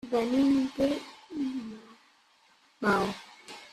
Venim de Maó.